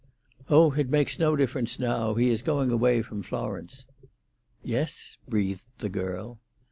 "Oh, it makes no difference now. He is going away from Florence." "Yes?" breathed the girl.